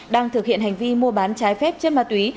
đang thực hiện hành vi mua bán trái phép chất ma túy